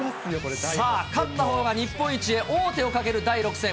さあ、勝ったほうが日本一へ、王手をかける第６戦。